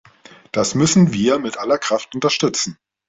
Das müssen wir mit aller Kraft unterstützen.